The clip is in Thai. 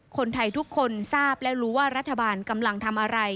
คนไทยทุกคนทราบและรู้ว่ารัฐบาลกำลังทำอะไร